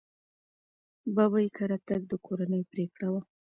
ببۍ کره تګ د کورنۍ پرېکړه وه.